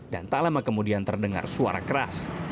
dan tak lama kemudian terdengar suara keras